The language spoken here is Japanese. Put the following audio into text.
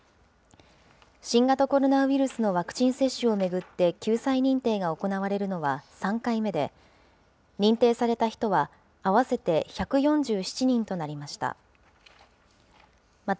新型コロナウイルスのワクチン接種を巡って救済認定が行われるのは３回目で、認定された人は、合わせて１４７人となりました。